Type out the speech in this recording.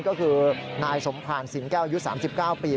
ก็คือนายสมผ่านศิลป์๙ยุทธิ์๓๙ปี